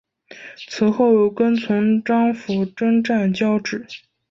此后跟从张辅征战交址。